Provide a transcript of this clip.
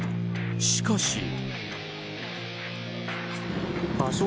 しかし。